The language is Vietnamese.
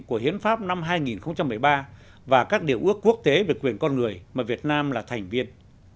của hiến pháp năm hai nghìn một mươi ba và các điều ước quốc tế về quyền con người mà việt nam là thành viên